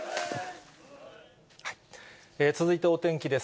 続いてお天気です。